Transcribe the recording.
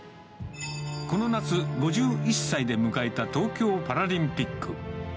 この夏、５１歳で迎えた東京パラリンピック。